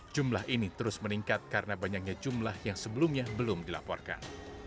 jumlah ini terus meningkat karena banyaknya jumlah yang sebelumnya belum dilaporkan